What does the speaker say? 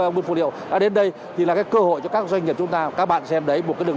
buôn phụ liệu đã đến đây thì là cái cơ hội cho các doanh nghiệp chúng ta các bạn xem đấy một cái đường